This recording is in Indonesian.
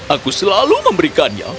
aku selalu memberikannya